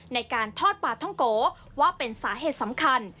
ในการทอดปลาท่องโกว่าเป็นสาเหตุสำคัญ